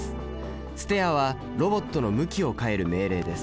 「ｓｔｅｅｒ」はロボットの向きを変える命令です。